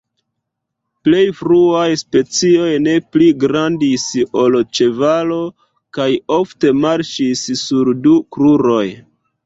Plej fruaj specioj ne pli grandis ol ĉevalo kaj ofte marŝis sur du kruroj.